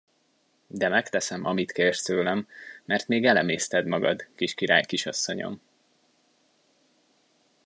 De megteszem, amit kérsz tőlem, mert még elemészted magad, kis királykisasszonyom!